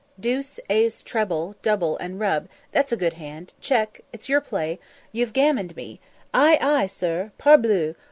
Deuce, ace Treble, double, and rub That's a good hand Check It's your play You've gammoned me Ay, ay, sir Parbleu!